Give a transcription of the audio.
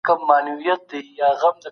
ما د هیواد په کلتور یو مستند فلم ولیدلی.